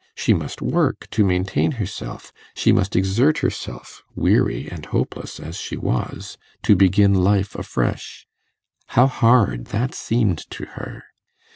She must work to maintain herself; she must exert herself, weary and hopeless as she was, to begin life afresh. How hard that seemed to her!